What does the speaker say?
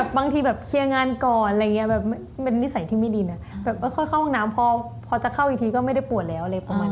บางทีเคลียร์งานก่อนเป็นนิสัยที่ไม่ดีนะค่อยเข้าห้องน้ำพอจะเข้าอีกทีก็ไม่ได้ปวดแล้ว